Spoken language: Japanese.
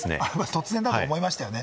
突然だと思いましたよね。